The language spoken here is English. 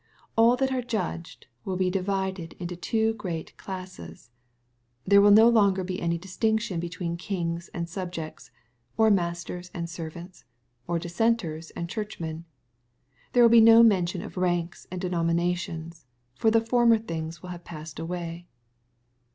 ' All that are judged will be divided into two great classes. ^There will no longer be any distinction between kings and subjects, or masters and servants, or dissenters and churchmen. There will be no mention of ranks and denominations, for the former things will have passed away.